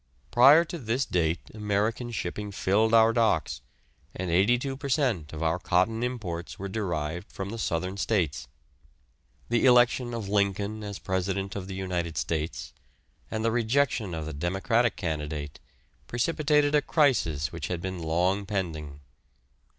Prior to this date American shipping filled our docks, and 82 per cent. of our cotton imports were derived from the Southern States. The election of Lincoln as President of the United States, and the rejection of the democratic candidate precipitated a crisis which had been long pending.